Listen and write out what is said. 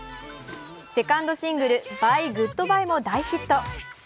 セカンドシングル「Ｂｙｅ−Ｇｏｏｄ−Ｂｙｅ」も大ヒット。